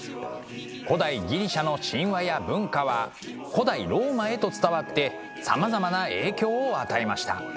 古代ギリシャの神話や文化は古代ローマへと伝わってさまざまな影響を与えました。